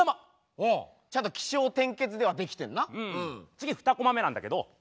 次ふたコマ目なんだけど。